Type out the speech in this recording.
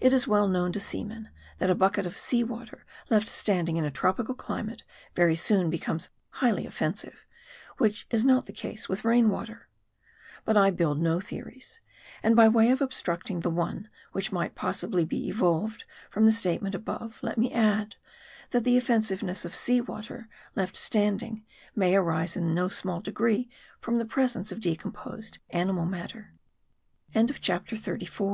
It is well known to seamen, that a bucket of sea water, left standing in a tropical climate, very soon becomes highly offensive ; which is not the case with rain water. 136 M A R D I. But I build no theories. And by way of obstructing the one, which might possibly be evolved from the statement above, let me add, that the offensiveness of sea water left standing, may arise in no small degree from the prese